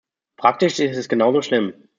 Praktisch ist es genauso schlimm.